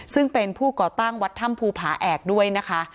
ซึ่งเป็นผู้ก่อตั้งวัดถ้ำภูผาแอกด้วยนะคะ